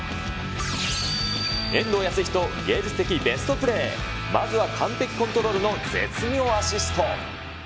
遠藤保仁芸術的ベストプレー、まずは完璧コントロールの絶妙アシスト。